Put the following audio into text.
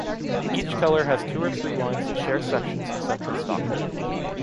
Each color has two or three lines that share sections in central Stockholm.